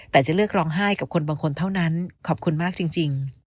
แต่จะเลือกร้องไห้กับคนบางคนเท่านั้นขอบคุณมากจริง